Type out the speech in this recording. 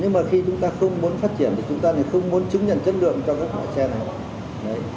nhưng mà khi chúng ta không muốn phát triển thì chúng ta không muốn chứng nhận chất lượng cho các loại xe này